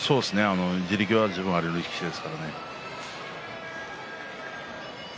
地力がある力士ですからね。